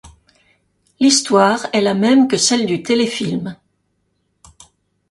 L'histoire est la même que celle du téléfilm.